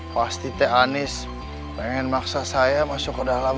pasti teh anies pengen maksa saya masuk ke dalam